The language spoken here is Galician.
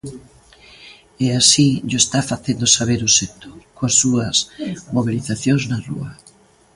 E así llo está facendo saber o sector coas súas mobilizacións na rúa.